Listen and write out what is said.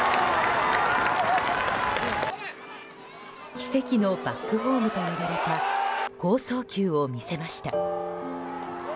奇跡のバックホームと呼ばれた好送球を見せました。